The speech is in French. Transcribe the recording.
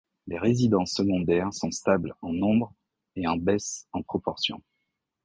Les résidences secondaires sont stables en nombre et en baisse en proportion.